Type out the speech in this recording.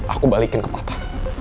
aku balikin ke papa